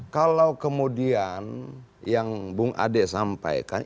kalau kemudian yang bung ade sampaikan